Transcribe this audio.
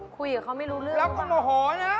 คุยกับเขาไม่รู้เรื่องหรือเปล่าแล้วก็โหน่ห่อน่ะ